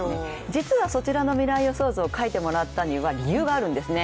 実はそちらの未来予想図を書いてもらったのには理由があるんですね